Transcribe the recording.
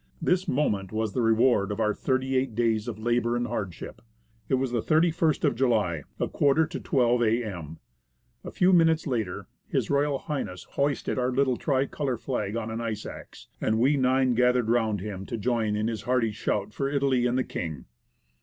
This moment was the reward of our thirty eight days of labour and hardship. It was the 31st of July, a quarter to 12 a.m. A few minutes later, H.R. H. hoisted our little tricolour flag on an ice axe, and we nine gathered round him to join in his hearty shout for Italy and the king.